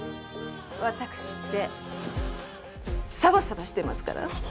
ワタクシってサバサバしてますから！